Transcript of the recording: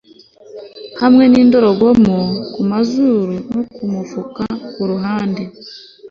Hamwe nindorerwamo kumazuru no kumufuka kuruhande